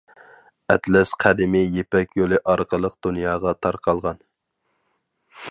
ئەتلەس قەدىمىي يىپەك يولى ئارقىلىق دۇنياغا تارقالغان.